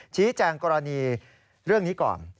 ชี้แจงกรณีเรื่องนี้ก่อน